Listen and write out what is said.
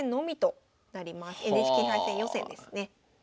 ＮＨＫ杯戦予選ですね。